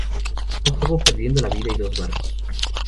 Naufragó, perdiendo la vida y dos barcos.